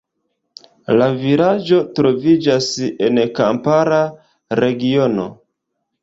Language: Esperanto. La vilaĝo troviĝas en kampara regiono.